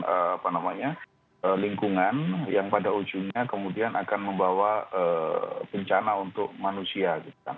apa namanya lingkungan yang pada ujungnya kemudian akan membawa bencana untuk manusia gitu kan